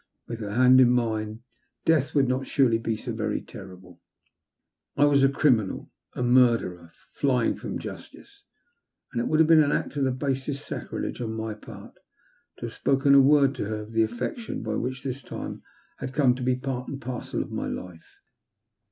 With her hand in mine Death would not surely be so very terrible. However, such a thing could not be thought of. I was a criminal, a murderer flying from justice ; and it would have been an act of the basest sacrilege on my part to have spoken a word to her of the affection which by this time had come to be part and parcel of my life.